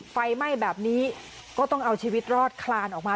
ไฟไหม้แบบนี้ก็ต้องเอาชีวิตรอดคลานออกมา